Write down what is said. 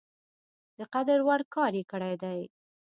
د قدر وړ کار یې کړی دی.